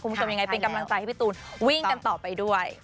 คุณผู้ชมยังไงเป็นกำลังใจให้พี่ตูนวิ่งกันต่อไปด้วย